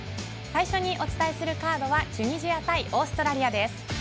最初にお伝えするカードはチュニジア対オーストラリアです。